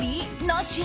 なし？